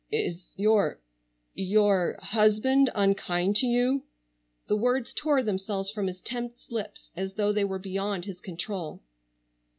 "Is—your—your—husband unkind to you?" The words tore themselves from his tense lips as though they were beyond his control.